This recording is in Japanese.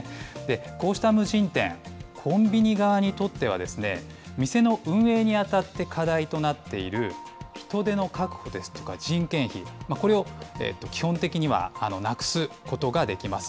こうした無人店、コンビニ側にとっては、店の運営にあたって課題となっている、人手の確保ですとか、人件費、これを基本的にはなくすことができます。